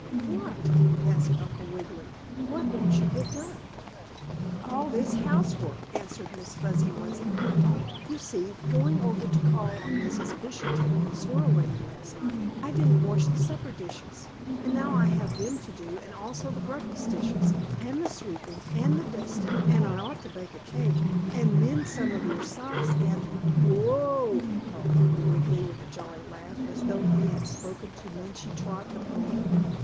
"What?" asked Uncle Wiggily. "What won't you get done?" "All this housework," answered Miss Fuzzy Wuzzy. "You see, going over to call on Mrs. Bushytail, the squirrel lady, last night I didn't wash the supper dishes, and now I have them to do, and also the breakfast dishes and the sweeping and dusting and I ought to bake a cake, and mend some of your socks and " "Whoa!" called Uncle Wiggily with a jolly laugh, as though he had spoken to Munchie Trot, the pony.